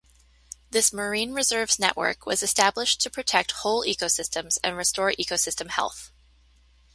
This marine reserves network was established to protect whole ecosystems and restore ecosystem health.